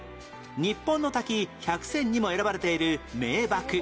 日本の滝１００選にも選ばれている名瀑